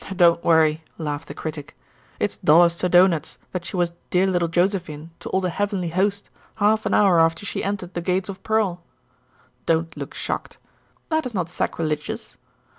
"Don't worry," laughed the Critic. "It's dollars to doughnuts that she was 'dear little Josephine' to all the Heavenly Host half an hour after she entered the 'gates of pearl.' Don't look shocked. That is not sacrilegious.